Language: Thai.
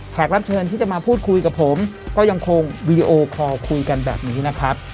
รับเชิญที่จะมาพูดคุยกับผมก็ยังคงวีดีโอคอลคุยกันแบบนี้นะครับ